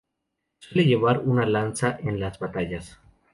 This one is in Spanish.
Suele llevar una lanza en las batallas.